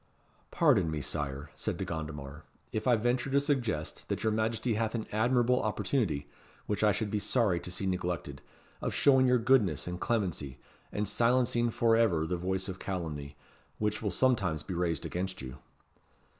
"Pardon me, Sire," said De Gondomar, "if I venture to suggest that your Majesty hath an admirable opportunity, which I should be sorry to see neglected, of showing your goodness and clemency, and silencing for ever the voice of calumny, which will sometimes be raised against you."